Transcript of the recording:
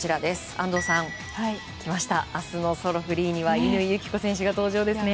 安藤さん、明日のソロフリーには乾友紀子選手が登場ですね。